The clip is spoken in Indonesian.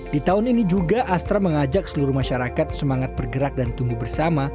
di tahun ini juga astra mengajak seluruh masyarakat semangat bergerak dan tumbuh bersama